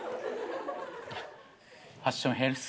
ファッションヘルス。